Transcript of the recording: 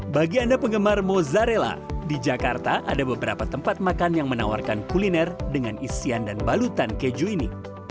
bagi anda penggemar mozzarella di jakarta ada beberapa tempat makan yang menawarkan kuliner dengan isian dan balutan keju ini